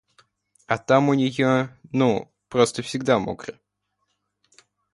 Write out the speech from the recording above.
А там у нее, ну, просто всегда мокро.